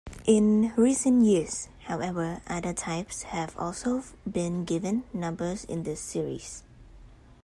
In recent years, however, other types have also been given numbers in this series.